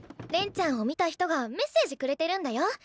恋ちゃんを見た人がメッセージくれてるんだよ。